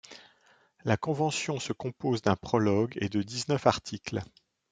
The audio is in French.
La Convention se compose d'un prologue et de dix-neuf articles.